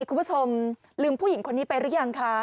คุณผู้ชมลืมผู้หญิงคนนี้ไปหรือยังคะ